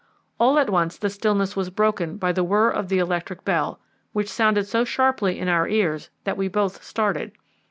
All at once the stillness was broken by the whirr of the electric bell, which sounded so sharply in our ears that we both started.